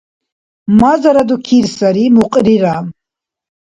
Мазара дукир сари, мукьрира!